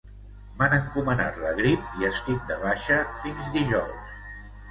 M'han encomanat la grip i estic de baixa fins dijous